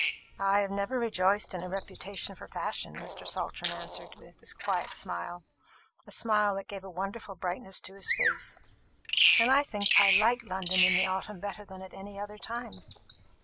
"I have never rejoiced in a reputation for fashion," Mr. Saltram answered, with his quiet smile a smile that gave a wonderful brightness to his face; "and I think I like London in the autumn better than at any other time.